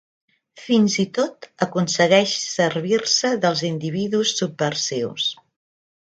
Fins i tot aconsegueix servir-se dels individus subversius.